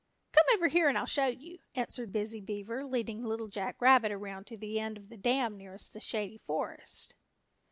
"Come over here and I'll show you," answered Busy Beaver, leading Little Jack Rabbit around to the end of the dam nearest the Shady Forest.